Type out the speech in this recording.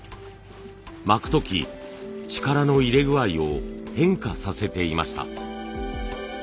巻く時力の入れ具合を変化させていました。